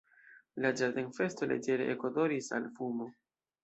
La ĝardenfesto leĝere ekodoris al fumo.